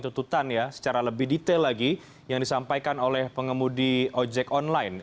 tentang apa yang dikirimkan oleh pengemudi jawa timur